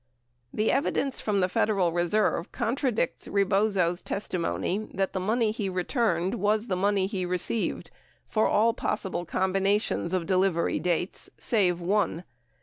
The evidence from the Federal Reserve contradicts Rebozo's testi mony that the money he returned was the money he received for all possible combinations of delivery dates save one.